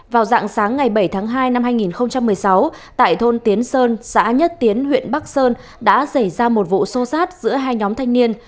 vào dạng sáng ngày bảy tháng hai năm hai nghìn một mươi sáu tại thôn tiến sơn xã nhất tiến huyện bắc sơn đã xảy ra một vụ xô xát giữa hai nhóm thanh niên